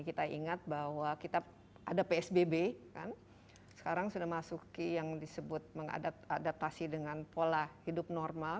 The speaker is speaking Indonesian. kita ingat bahwa kita ada psbb kan sekarang sudah masuk ke yang disebut mengadaptasi dengan pola hidup normal